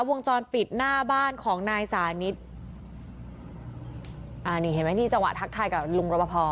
วงจรปิดหน้าบ้านของนายสานิทอ่านี่เห็นไหมนี่จังหวะทักทายกับลุงรบพอ